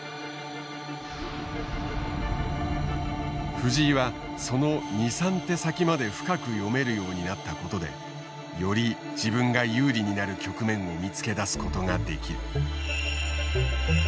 藤井はその２３手先まで深く読めるようになったことでより自分が有利になる局面を見つけ出すことができる。